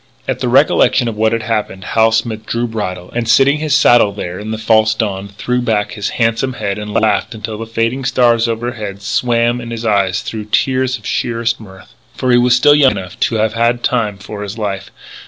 At the recollection of what had happened, Hal Smith drew bridle, and, sitting his saddle there in the false dawn, threw back his handsome head and laughed until the fading stars overhead swam in his eyes through tears of sheerest mirth. For he was still young enough to have had the time of his life.